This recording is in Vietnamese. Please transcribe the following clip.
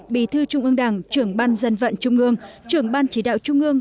bí thư trung ương đảng trưởng ban dân vận trung ương trưởng ban chỉ đạo trung ương